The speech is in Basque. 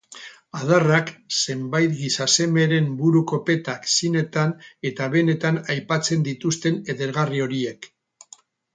Adarrak, zenbait gizasemeren buru-kopetak zinetan eta benetan apaintzen dituzten edergarri horiek